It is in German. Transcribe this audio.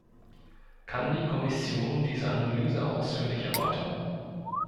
Kann die Kommission diese Analyse ausführlich erläutern?